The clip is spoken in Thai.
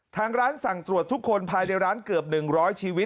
ทางร้านสั่งตรวจทุกคนภายในร้านเกือบ๑๐๐ชีวิต